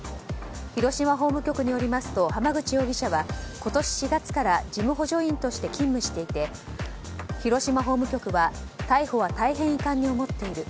広島法務局によりますと浜口容疑者は今年４月から事務補助員として勤務していて広島法務局は、逮捕は大変遺憾に思っている。